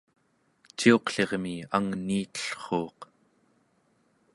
ciuqlirmi angniitellruuq